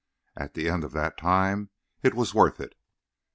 At the end of that time it was worth it.